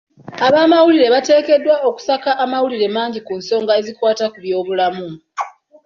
Ab'amawulire bateekeddwa okusaka amawulire mangi ku nsonga ezikwata ku byobulamu.